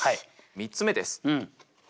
３つ目です。